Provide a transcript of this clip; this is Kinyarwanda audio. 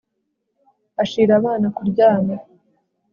Ashira abana kuryama